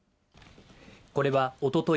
これはおととい